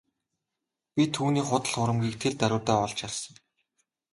Би түүний худал хуурмагийг тэр даруйдаа олж харсан.